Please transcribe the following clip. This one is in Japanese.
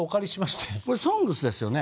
これ「ＳＯＮＧＳ」ですよね？